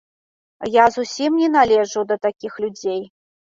Я зусім не належу да такіх людзей!